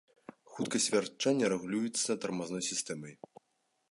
Хуткасць вярчэння рэгулюецца тармазной сістэмай.